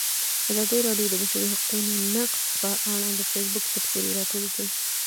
ازادي راډیو د د بشري حقونو نقض په اړه د فیسبوک تبصرې راټولې کړي.